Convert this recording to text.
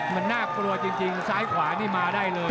มันน่ากลัวจริงซ้ายขวานี่มาได้เลย